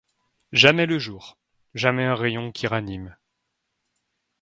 Jamais le jour. — Jamais un rayon qui ranime.